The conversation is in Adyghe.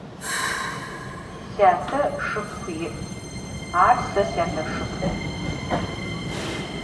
Syate şşıpxhu yi', ar se syateşşıpxhu.